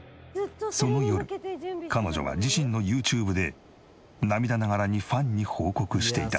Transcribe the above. その夜彼女は自身のユーチューブで涙ながらにファンに報告していた。